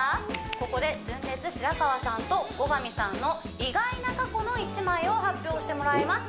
ここで純烈白川さんと後上さんの意外な過去の１枚を発表してもらいます